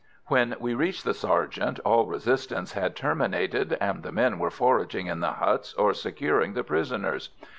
When we reached the sergeant, all resistance had terminated, and the men were foraging in the huts or securing the prisoners.